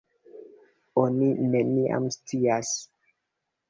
Oni neniam scias.